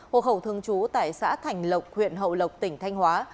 hộ khẩu thương chú tại xã thành lộc huyện hậu lộc tỉnh thanh hóa